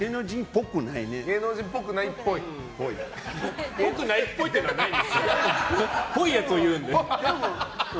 ぽくないっぽいっていうのはないんですよ。